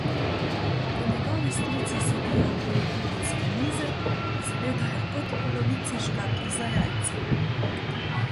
Ko njegovi strici sedijo okoli kuhinjske mize, izgledajo kot polovica škatle za jajca.